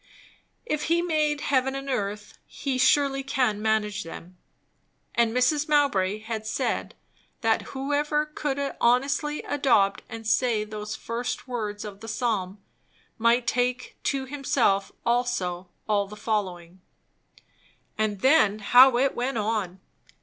If he made heaven and earth, he surely can manage them. And Mrs. Mowbray had said, that whoever could honestly adopt and say those first words of the psalm, might take to himself also all the following. Then how it went on!